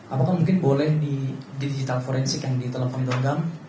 apakah mungkin boleh di digital forensik yang di telepon genggam